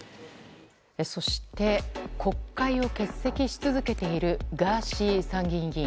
そして、国会を欠席し続けているガーシー参議院議員。